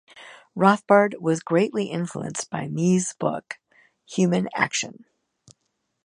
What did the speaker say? Rothbard was greatly influenced by Mises' book, "Human Action".